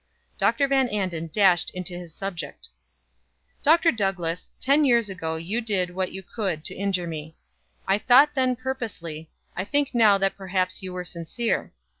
Dr. Van Anden dashed into his subject: "Dr. Douglass, ten years ago you did what you could to injure me. I thought then purposely, I think now that perhaps you were sincere.